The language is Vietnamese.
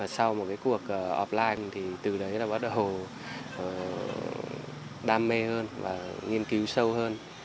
sau một cuộc offline thì từ đấy bắt đầu đam mê hơn và nghiên cứu sâu hơn